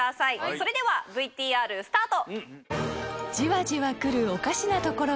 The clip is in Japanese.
それではＶＴＲスタート！